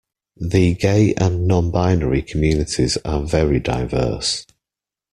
The gay and non-binary communities are very diverse.